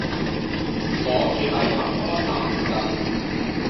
我住喺恆安站附近